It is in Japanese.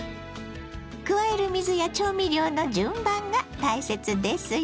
加える水や調味料の順番が大切ですよ。